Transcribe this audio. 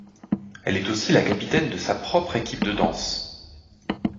Elle est aussi la capitaine de sa propre équipe de danse.